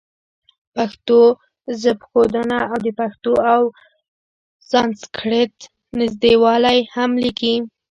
پښتو ژبښودنه او د پښتو او سانسکریټ نزدېوالی هم لیکلي.